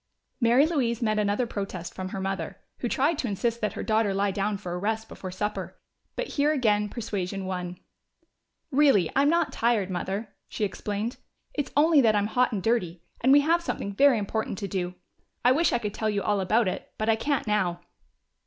Mary Louise met another protest from her mother, who tried to insist that her daughter lie down for a little rest before supper. But here again persuasion won. "Really, I'm not tired, Mother," she explained. "It's only that I'm hot and dirty. And we have something very important to do I wish I could tell you all about it, but I can't now."